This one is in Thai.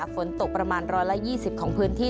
ฝนตกประมาณ๑๒๐ของพื้นที่